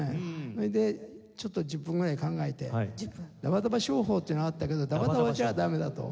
それでちょっと１０分ぐらい考えてダバダバ唱法っていうのがあったけどダバダバじゃダメだと。